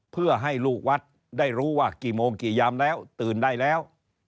เพื่อให้ลูกวัดได้รู้ว่ากี่โมงกี่ยามแล้วตื่นได้แล้ว